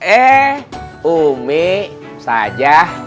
eh umi ustazah